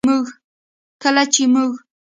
کله چې موږ